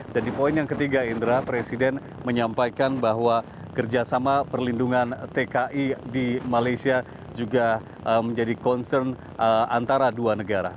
dan di poin yang ketiga indra presiden menyampaikan bahwa kerjasama perlindungan tki di malaysia juga menjadi concern antara dua negara